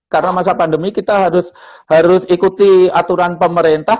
karena masa pandemi kita harus ikuti aturan pemerintah